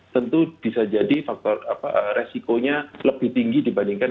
tentu bisa jadi faktor resikonya lebih tinggi dibandingkan